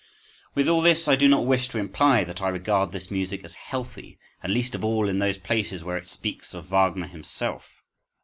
With all this I do not wish to imply that I regard this music as healthy, and least of all in those places where it speaks of Wagner himself.